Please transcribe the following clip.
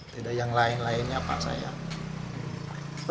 tidak yang lain lainnya pak saya